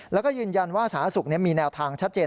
แล้วก็ยืนยันว่าสาธารณสุขมีแนวทางชัดเจน